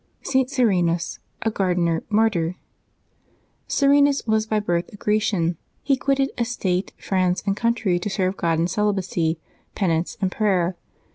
ST. SERENUS, a Gardener, Martyr. [ERBNUs was by birth a Grecian. He quitted estate, friends, and country to serve God in celibacy, pen ance, and prayer.